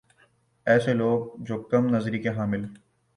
ایسے لوگ جو کم نظری کے حامل